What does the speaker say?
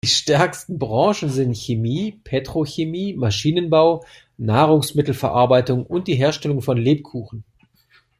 Die stärksten Branchen sind Chemie, Petrochemie, Maschinenbau, Nahrungsmittelverarbeitung und die Herstellung von Lebkuchen.